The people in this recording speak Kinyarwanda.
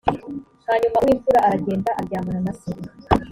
hanyuma uw’ imfura aragenda aryamana na se